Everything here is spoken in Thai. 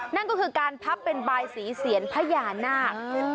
นั่นก็คือการพับเป็นบายสีเซียนพญานาค